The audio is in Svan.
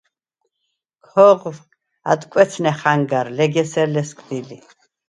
ქოღვ ადკვეცნე ხანგა̈რ, ლეგ ესერ ლესგდი ლი.